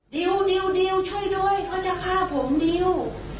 ดิวดิวช่วยด้วยเขาจะฆ่าผมดิว